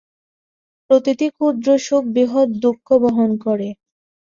প্রতিটি ক্ষুদ্র সুখ বৃহৎ দুঃখ বহন করে।